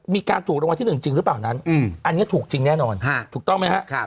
มีการถูกรางวัลที่๑จริงหรือเปล่านั้นอันนี้ถูกจริงแน่นอนถูกต้องไหมครับ